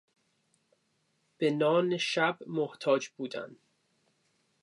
به نان شب محتاج بودن